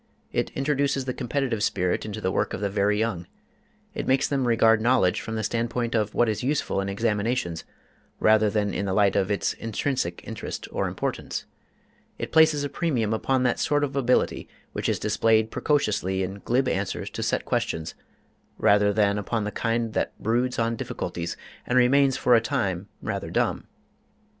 It introduces the competitive spirit into the work of the very young; it makes them regard knowledge from the standpoint of what is useful in examinations rather than in the light of its intrinsic interest or importance; it places a premium upon that sort of ability which is displayed precociously in glib answers to set questions rather than upon the kind that broods on difficulties and remains for a time rather dumb.